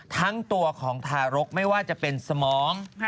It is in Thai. ทั้งตัวของทารกไม่ว่าจะเป็นสมอง